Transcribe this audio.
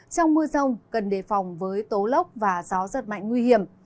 trong mưa rông cần đề phòng với tố lốc và gió giật mạnh nguy hiểm